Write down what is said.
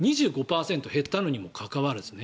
２５％減ったのにもかかわらず。